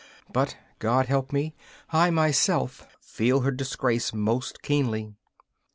But, God help me! I myself feel her disgrace, most keenly.